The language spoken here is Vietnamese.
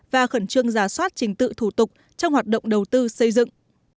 và khẩn trương giả soát trình tự thủ tục trong hoạt động đầu tư xây dựng